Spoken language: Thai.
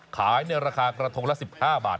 ขายในราคากระทงละ๑๕บาท